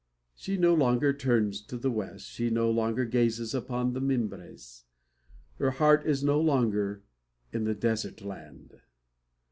She no longer turns to the west. She no longer gazes upon the Mimbres. Her heart is no longer in the desert land!